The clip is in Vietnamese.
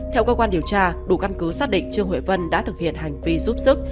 theo cơ quan điều tra đủ căn cứ xác định trương huệ vân đã thực hiện hành vi giúp sức